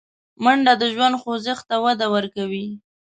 منډه د ژوند خوځښت ته وده ورکوي